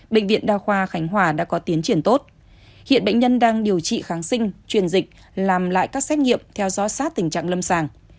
bệnh viện đa khoa khánh hòa đã có tiến triển tốt hiện bệnh nhân đang điều trị kháng sinh truyền dịch làm lại các xét nghiệm theo dõi sát tình trạng lâm sàng